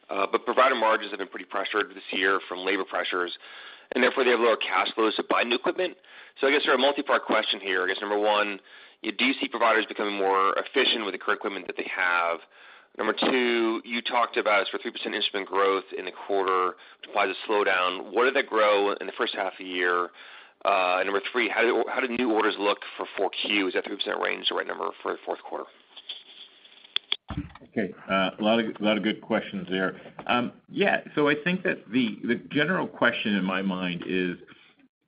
but provider margins have been pretty pressured this year from labor pressures, and therefore, they have lower cash flows to buy new equipment. I guess they're a multi-part question here. I guess number one, do you see providers becoming more efficient with the current equipment that they have? Number two, you talked about sort of 3% instrument growth in the quarter. Why the slowdown? What did that grow in the first half of the year? And number three, how did new orders look for 4Q? Is that 3% range the right number for fourth quarter? Okay, a lot of good questions there. Yeah. I think that the general question in my mind is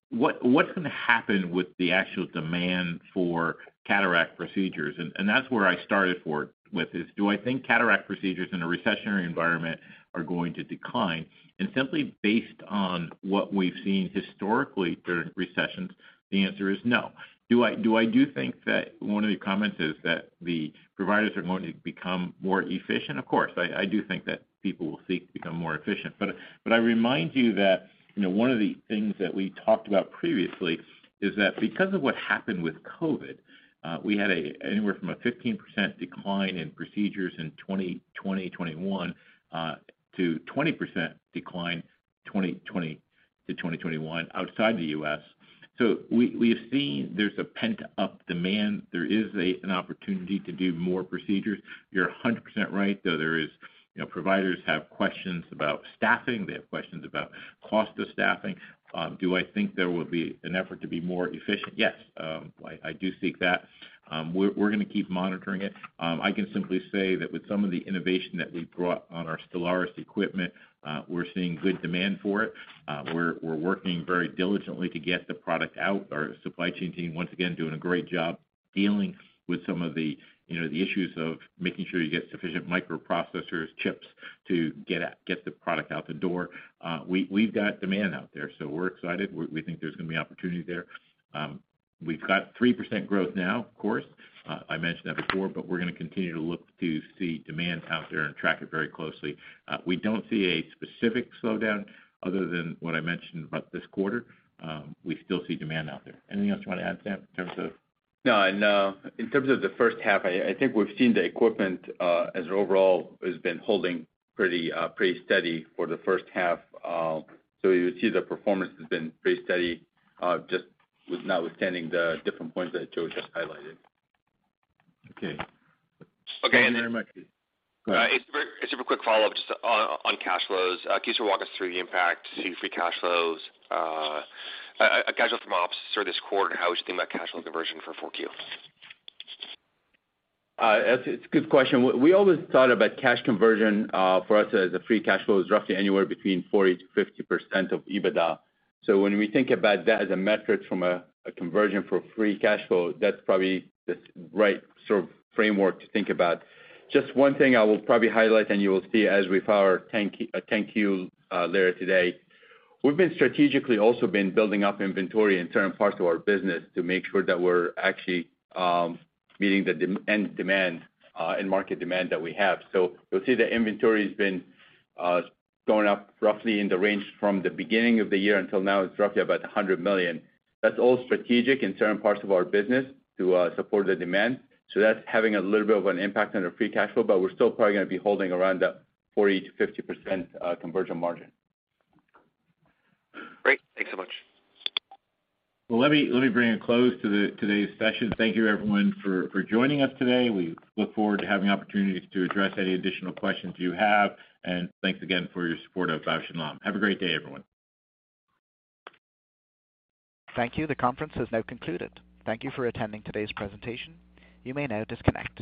what's gonna happen with the actual demand for cataract procedures? That's where I started with this. Do I think cataract procedures in a recessionary environment are going to decline? Simply based on what we've seen historically during recessions, the answer is no. Do I think that one of the comments is that the providers are going to become more efficient? Of course. I do think that people will seek to become more efficient. I remind you that, you know, one of the things that we talked about previously is that because of what happened with COVID, we had anywhere from a 15% decline in procedures in 2020-2021 to 20% decline 2020-2021 outside the U.S.. We've seen there's a pent-up demand. There is an opportunity to do more procedures. You're 100% right, though there is, you know, providers have questions about staffing. They have questions about cost of staffing. Do I think there will be an effort to be more efficient? Yes. I do see that. We're gonna keep monitoring it. I can simply say that with some of the innovation that we've brought on our Stellaris equipment, we're seeing good demand for it. We're working very diligently to get the product out. Our supply chain team, once again, doing a great job dealing with some of the, you know, the issues of making sure you get sufficient microprocessors, chips to get the product out the door. We've got demand out there, so we're excited. We think there's gonna be opportunity there. We've got 3% growth now, of course. I mentioned that before, but we're gonna continue to look to see demand out there and track it very closely. We don't see a specific slowdown other than what I mentioned about this quarter. We still see demand out there. Anything else you wanna add, Sam, in terms of? No, in terms of the first half, I think we've seen the equipment sales overall has been holding pretty steady for the first half. You would see the performance has been pretty steady, just notwithstanding the different points that Joe just highlighted. Okay. Okay. One very much. Go ahead. It's a super quick follow-up just on cash flows. Can you sort of walk us through the impact to free cash flows, cash flow from ops through this quarter, and how we should think about cash flow conversion for 4Q? That's a good question. We always thought about cash conversion for us as a free cash flow is roughly anywhere between 40%-50% of EBITDA. When we think about that as a metric from a conversion for free cash flow, that's probably the right sort of framework to think about. Just one thing I will probably highlight, and you will see as we file our 10-Q later today, we've been strategically building up inventory in certain parts of our business to make sure that we're actually meeting the end demand and market demand that we have. You'll see the inventory's been going up roughly in the range from the beginning of the year until now. It's roughly about $100 million. That's all strategic in certain parts of our business to support the demand. That's having a little bit of an impact on our free cash flow, but we're still probably gonna be holding around that 40%-50% conversion margin. Great. Thanks so much. Well, let me bring a close to today's session. Thank you everyone for joining us today. We look forward to having opportunities to address any additional questions you have, and thanks again for your support of Bausch + Lomb. Have a great day, everyone. Thank you. The conference has now concluded. Thank you for attending today's presentation. You may now disconnect.